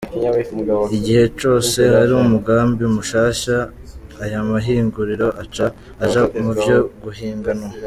Igihe cose hari umugambi mushasha, ayo mahinguriro aca aja muvyo guhiganwa.